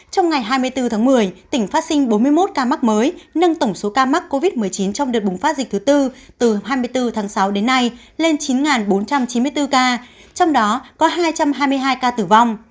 trong ngày hai mươi bốn tháng một mươi tỉnh phát sinh bốn mươi một ca mắc mới nâng tổng số ca mắc covid một mươi chín trong đợt bùng phát dịch thứ tư từ hai mươi bốn tháng sáu đến nay lên chín bốn trăm chín mươi bốn ca trong đó có hai trăm hai mươi hai ca tử vong